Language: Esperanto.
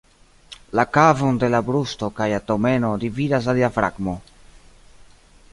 La kavon de la brusto kaj abdomeno dividas la diafragmo.